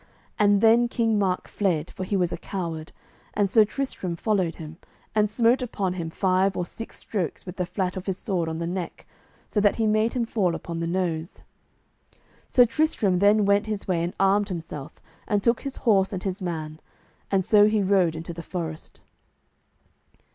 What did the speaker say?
And then King Mark fled, for he was a coward, and Sir Tristram followed him, and smote upon him five or six strokes with the flat of his sword on the neck so that he made him fall upon the nose. Sir Tristram then went his way and armed himself, and took his horse and his man, and so he rode into the forest.